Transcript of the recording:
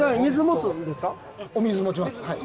お水持ちますはい。